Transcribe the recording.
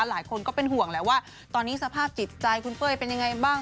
หลายคนก็เป็นห่วงแหละว่าตอนนี้สภาพจิตใจคุณเป้ยเป็นยังไงบ้าง